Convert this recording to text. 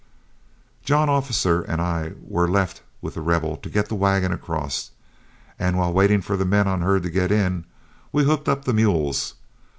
John Officer and I were left with The Rebel to get the wagon across, and while waiting for the men on herd to get in, we hooked up the mules.